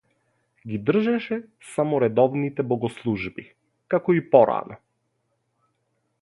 Ги држеше само редовните богослужби, како и порано.